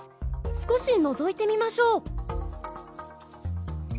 少しのぞいてみましょう！